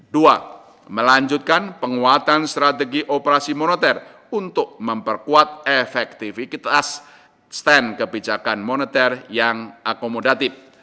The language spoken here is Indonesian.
dua melanjutkan penguatan strategi operasi moneter untuk memperkuat efektivitas stand kebijakan moneter yang akomodatif